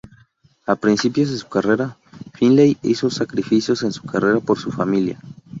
A principios de su carrera, Finley hizo sacrificios en su carrera por su familia.